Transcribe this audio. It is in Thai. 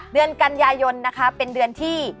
เดือนกันยายนนะคะเป็นเดือนที่